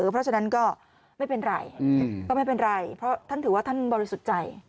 เพราะฉะนั้นก็ไม่เป็นไรเพราะท่านถือว่าท่านบริสุทธิ์ใจ